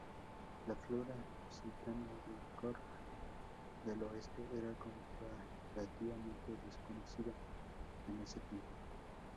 La flora lusitania de Cork del oeste era comparativamente desconocida en ese tiempo.